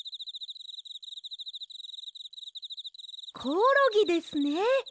コオロギですね。